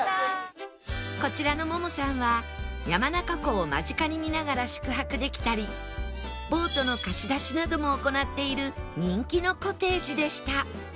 こちらのモモさんは山中湖を間近に見ながら宿泊できたりなども行っている人気のコテージでした